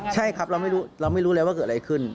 ใช่ครับเราไม่รู้แล้วว่าเกิดอะไรขึ้น